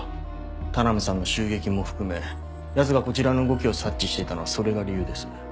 田波さんの襲撃も含めヤツがこちらの動きを察知していたのはそれが理由です。